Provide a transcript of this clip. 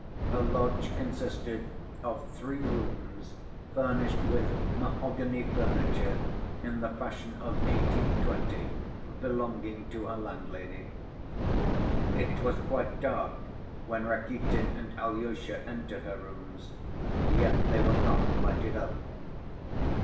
Her lodge consisted of three rooms furnished with mahogany furniture in the fashion of 1820, belonging to her landlady. It was quite dark when Rakitin and Alyosha entered her rooms, yet they were not lighted up.